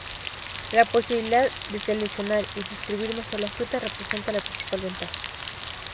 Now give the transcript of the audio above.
La posibilidad de seleccionar y distribuir mejor la fruta representa la principal ventaja.